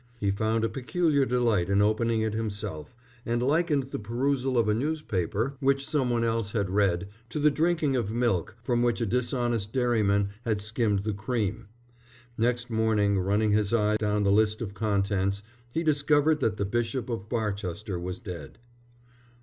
He found a peculiar delight in opening it himself, and likened the perusal of a newspaper which some one else had read, to the drinking of milk from which a dishonest dairyman had skimmed the cream. Next morning, running his eye down the list of contents, he discovered that the Bishop of Barchester was dead.